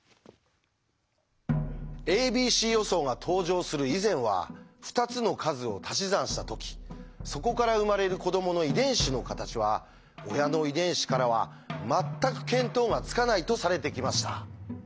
「ａｂｃ予想」が登場する以前は２つの数をたし算した時そこから生まれる子どもの遺伝子の形は親の遺伝子からは全く見当がつかないとされてきました。